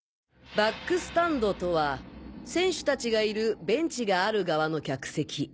バックスタンドとは選手たちがいるベンチがある側の客席。